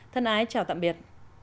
thân ái chào tạm biệt